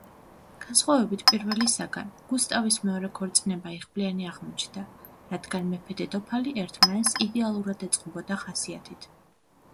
განსხვავებით პირველისგან, გუსტავის მეორე ქორწინება იღბლიანი აღმოჩნდა, რადგან მეფე-დედოფალი ერთმანეთს იდეალურად ეწყობოდა ხასიათით.